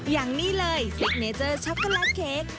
อย่างนี้เลยซิกเนเจอร์ช็อกโกแลตเค้ก